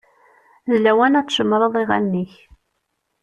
D lawan ad tcemmṛeḍ iɣallen-ik.